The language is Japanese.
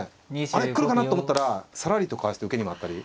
あれ来るかなと思ったらさらりとかわして受けに回ったり。